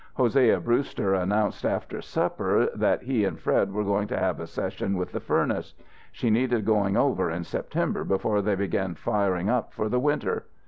Hosea Brewster announced, after supper, that he and Fred were going to have a session with the furnace; she needed going over in September before they began firing up for the winter.